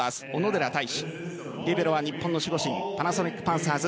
リベラは日本の守護神パナソニックパンサーズ